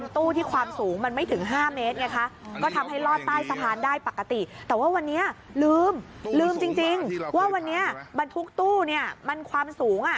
ทุกตู้เนี่ยมันความสูงอ่ะ